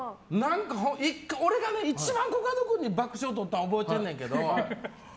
俺が一番、コカド君に爆笑とったの覚えてるねんけど